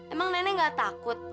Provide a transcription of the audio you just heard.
emang nenek nggak takut